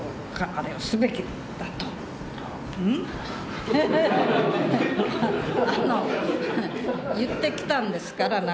あの言ってきたんですから長い事。